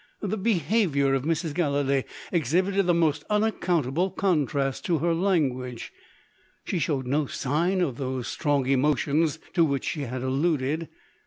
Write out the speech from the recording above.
The behaviour of Mrs. Gallilee exhibited the most unaccountable contrast to her language. She showed no sign of those strong emotions to which she had alluded.